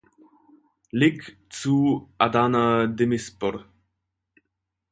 Lig zu Adana Demirspor.